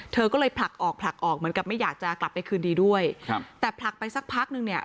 เธอก็เลยผลักออกผลักออกเหมือนกับไม่อยากจะกลับไปคืนดีด้วยครับแต่ผลักไปสักพักนึงเนี่ย